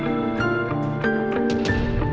ini adalah halaman rumah saudari siena